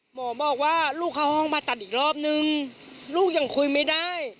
หมอบอกว่าลูกเข้าห้องผ่าตัดอีกรอบนึงลูกยังคุยไม่ได้